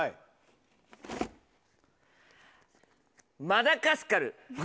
マダガスカル。